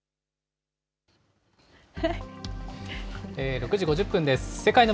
６時５０分です。